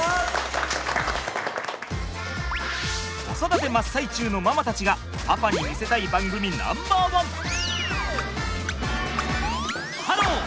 子育て真っ最中のママたちがパパに見せたい番組ナンバーワン！